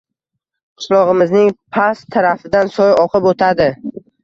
Qishlog`imizning past tarafidan soy oqib o`tadi